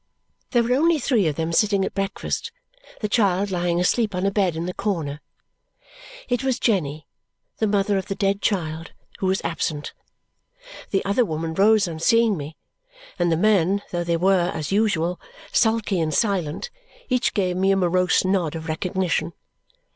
There were only three of them sitting at breakfast, the child lying asleep on a bed in the corner. It was Jenny, the mother of the dead child, who was absent. The other woman rose on seeing me; and the men, though they were, as usual, sulky and silent, each gave me a morose nod of recognition.